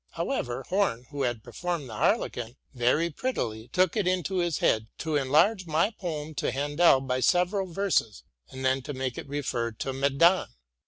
However, Horn, who had performed the Harlequin very prettily, took it into his head to enlarge my poem to Hendel by several verses, and then to make it refer to ''Medon.